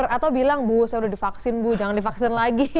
atau bilang bu saya udah divaksin bu jangan divaksin lagi